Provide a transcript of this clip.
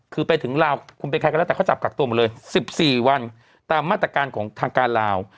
คือไปถึงลาวคุณเป็นใครก็แล้วแต่เขาจับกักตัวหมดเลย๑๔วันตามมาตรการของทางการลาว